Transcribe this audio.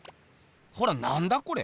ほらなんだこれ？